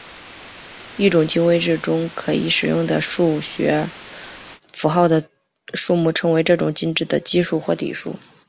一种进位制中可以使用的数字符号的数目称为这种进位制的基数或底数。